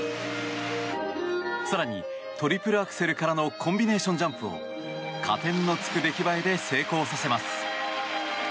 更にトリプルアクセルからのコンビネーションジャンプを加点のつく出来栄えで成功させます。